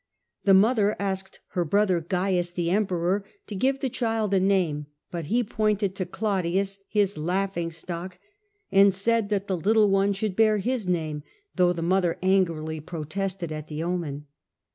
The mother xhe early asked her brother Caius, the Emperor, to give the child a name, but he pointed to Claudius, his laughing stock, and said that the little one should bear his name, though the mother angrily protested at the omen.